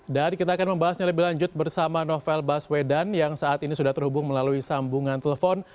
dan kita akan membahasnya lebih lanjut bersama novel baswedan yang saat ini sudah terhubung melalui sambungan telepon